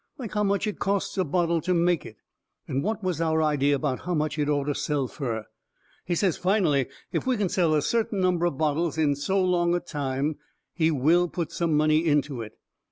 Like how much it costs a bottle to make it, and what was our idea how much it orter sell fur. He says finally if we can sell a certain number of bottles in so long a time he will put some money into it.